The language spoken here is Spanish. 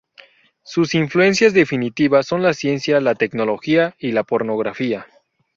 Sus influencias definitivas son la ciencia, la tecnología y la pornografía.